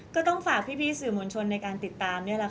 ก็ต้องฝากพี่สื่อมวลชนในการติดตามนี่แหละค่ะ